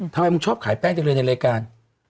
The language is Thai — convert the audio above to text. ทำไมมึงชอบขายแป้งจังเลยในรายการ